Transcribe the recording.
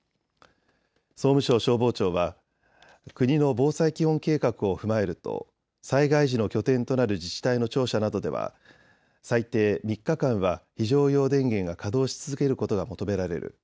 総務省消防庁は、国の防災基本計画を踏まえると災害時の拠点となる自治体の庁舎などでは最低３日間は非常用電源が稼働し続けることが求められる。